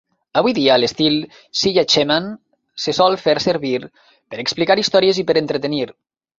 Avui dia, l'estil Siya Cheman se sol fer servir per explicar històries i per entretenir.